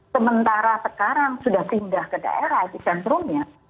sementara sekarang sudah pindah ke daerah epicentrumnya